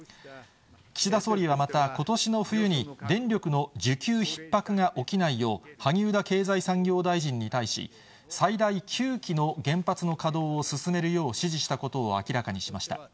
岸田総理はまた、ことしの冬に、電力の需給ひっ迫が起きないよう、萩生田経済産業大臣に対し、最大９基の原発の稼働を進めるよう指示したことを明らかにしました。